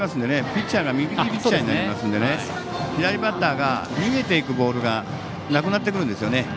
ピッチャーが右ピッチャーになりますので左バッターが逃げていくボールがなくなってくるんですよね。